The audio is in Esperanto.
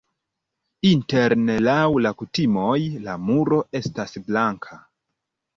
Interne laŭ la kutimoj la muro estas blanka.